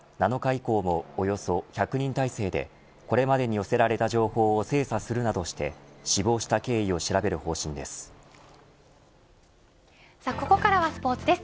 警察は７日以降もおよそ１００人態勢でこれまでに寄せられた情報を精査するなどしてた死亡したここからはスポーツです。